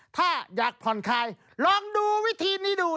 ถ้าอยากผ่อนคลายลองดูวิธีนี้ดู